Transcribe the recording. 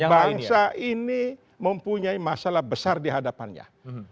bangsa ini mempunyai masalah besar di hadapannya